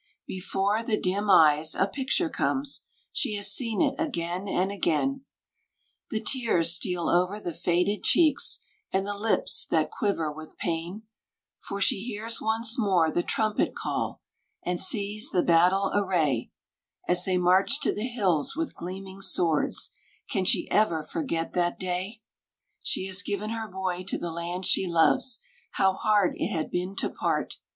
Before the dim eyes, a picture comes, She has seen it again and again; The tears steal over the faded cheeks, And the lips that quiver with pain, For she hears once more the trumpet call And sees the battle array As they march to the hills with gleaming swords Can she ever forget that day? She has given her boy to the land she loves, How hard it had been to part!